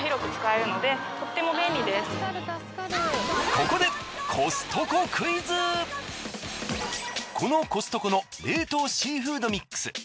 ここでこのコストコの冷凍シーフードミックス。